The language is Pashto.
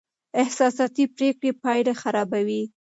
احساساتي پرېکړې پایلې خرابوي.